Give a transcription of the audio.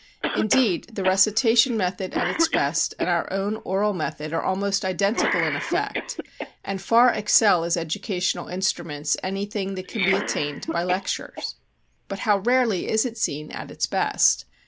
Indeed, the recitation method at its best and our own oral method are almost identical in effect; and far excel as educational instruments anything that can be attained by lectures. But how rarely is it seen at its best?